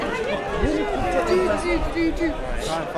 Lin tute eblas fidi.